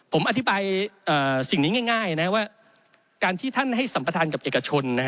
ผมอธิบายสิ่งนี้ง่ายนะว่าการที่ท่านให้สัมประธานกับเอกชน